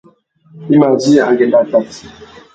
I mà djï angüêndô atát.